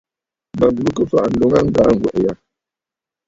Mə bùrə kɨ fàʼà ǹloln aa ŋgaa ŋgwɛ̀ʼɛ̀ yâ.